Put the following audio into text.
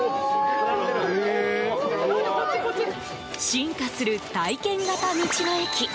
進化する体験型道の駅。